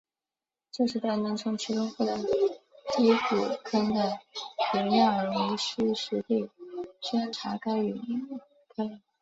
这使得能从其中获得第谷坑的岩样而无需实地勘查该陨坑。